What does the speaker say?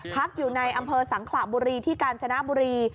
พักอยู่ในอำเภอสังขระบุรีที่กาญจนบุรี